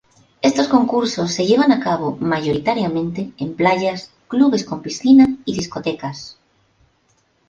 Estos concursos se llevan a cabo mayoritariamente en playas, clubes con piscina y discotecas.